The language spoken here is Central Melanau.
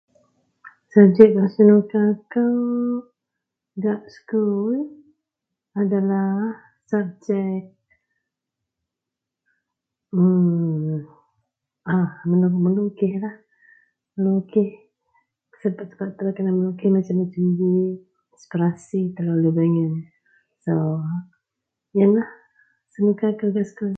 Subjek wak senuka kou gak sekul adalah subjek melukis yian lah wak senuka kou gak sekul.